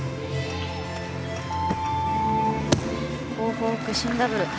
後方屈身ダブル。